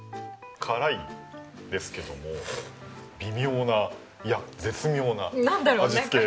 辛いですけども微妙ないや絶妙な味付けですね。